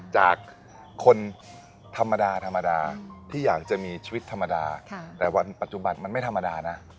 จากคนธรรมดาธรรมดาที่อยากจะมีชีวิตธรรมดาแต่วันปัจจุบันมันไม่ธรรมดานะ